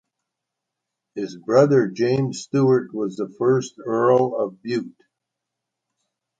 His brother James Stewart was the first Earl of Bute.